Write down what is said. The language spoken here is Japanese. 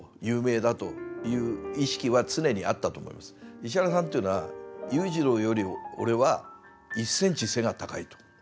石原さんというのは「裕次郎より俺は１センチ背が高い」と。